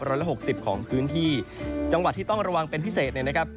ละหกสิบของพื้นที่จังหวัดที่ต้องระวังเป็นพิเศษเนี่ยนะครับ